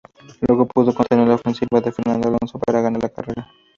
Luego pudo contener la ofensiva de Fernando Alonso para ganar la carrera.